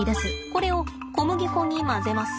これを小麦粉に混ぜます。